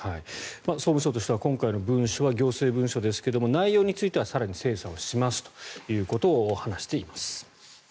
総務省としては今回の文書は行政文書ですが内容に関しては更に精査しますということを話しています。